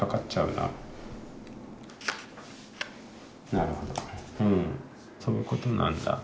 なるほどうんそういうことなんだ。